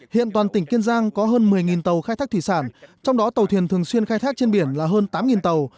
hiện toàn tỉnh kiên giang có hơn một mươi tàu khai thác thủy sản trong đó tàu thuyền thường xuyên khai thác trên biển là hơn tám tàu